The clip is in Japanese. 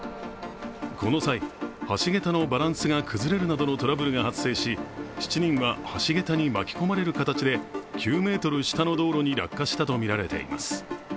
この際、橋桁のバランスが崩れるなどのトラブルが発生し、７人は橋桁に巻き込まれる形で９ｍ下の道路に落下したとみられています。